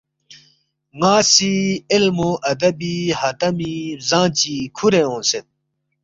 ناسی علم و ادبی حاتمی ؔ بزانگ چی کھورے اونگسید